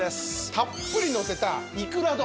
たっぷりのせたいくら丼。